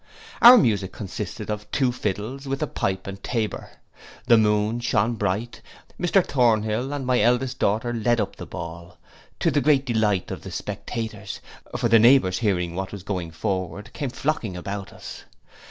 Our music consisted of two fiddles, with a pipe and tabor. The moon shone bright, Mr Thornhill and my eldest daughter led up the ball, to the great delight of the spectators; for the neighbours hearing what was going forward, came flocking about us.